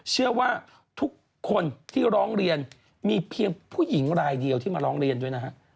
เชื่อว่าทุกคนที่ร้องเรียนมีเพียงผู้หญิงรายเดียวที่มาร้องเรียนด้วยนะฮะ